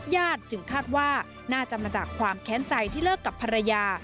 จึงคาดว่าน่าจะมาจากความแค้นใจที่เลิกกับภรรยา